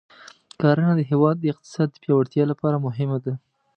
کرنه د هېواد د اقتصاد د پیاوړتیا لپاره مهمه ده.